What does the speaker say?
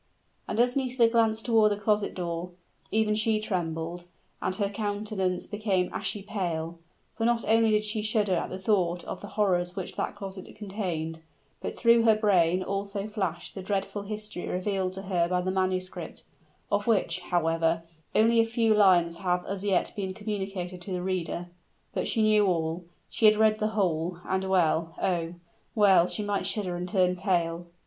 And as Nisida glanced toward the closet door, even she trembled, and her countenance became ashy pale; for not only did she shudder at the thought of the horrors which that closet contained, but through her brain also flashed the dreadful history revealed to her by the manuscript of which, however, only a few lines have as yet been communicated to the reader. But she knew all she had read the whole; and well oh! well might she shudder and turn pale.